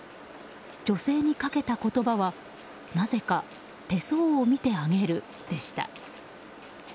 女性にかけた言葉はなぜか手相を見てあげるでした。